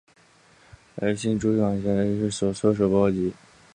而新竹州辖下的苗栗郡公馆庄亦受波及。